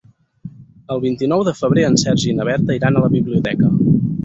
El vint-i-nou de febrer en Sergi i na Berta iran a la biblioteca.